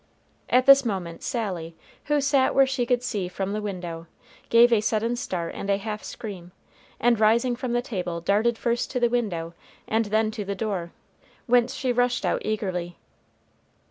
At this moment Sally, who sat where she could see from the window, gave a sudden start and a half scream, and rising from the table, darted first to the window and then to the door, whence she rushed out eagerly.